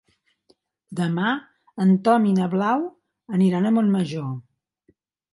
Demà en Tom i na Blau aniran a Montmajor.